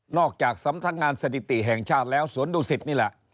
จากสำนักงานสถิติแห่งชาติแล้วสวนดุสิตนี่แหละ